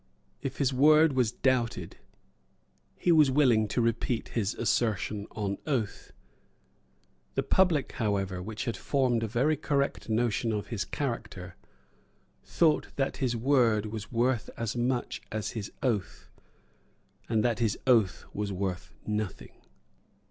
If his word was doubted, he was willing to repeat his assertion on oath. The public, however, which had formed a very correct notion of his character, thought that his word was worth as much as his oath, and that his oath was worth nothing.